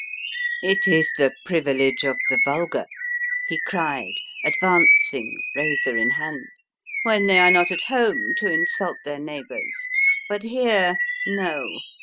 "It is the privilege of the vulgar," he cried, advancing, razor in hand, "when they are at home, to insult their neighbours, but here no!